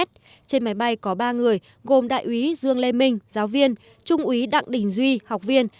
trên máy bay có ba người gồm đại úy dương lê minh giáo viên trung úy đặng đình duy học viên